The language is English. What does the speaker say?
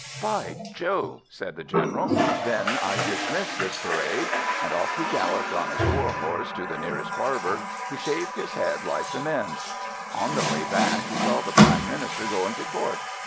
By Jove," said the General, "then I dismiss this parade," and off he galloped on his war horse to the nearest Barber, who shaved his head like the men's. On the way back, he saw the Prime Minister going to Court.